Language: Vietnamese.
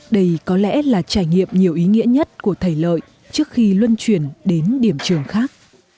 đây có lẽ là trải nghiệm nhiều ý nghĩa nhất của thầy lợi trước khi luân chuyển đến điểm trường khác